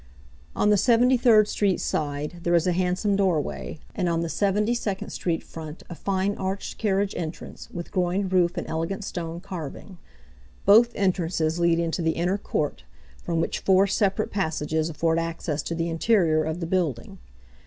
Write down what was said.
On the Seventy third street side there is a handsome doorway, and on the Seventy second street front a fine arched carriage entrance, with groined roof and elegant stone carving. Both entrances lead into the inner court, from which four separate passages afford access to the interior of the building.